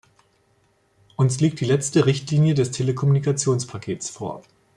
Uns liegt die letzte Richtlinie des Telekommunikationspakets vor.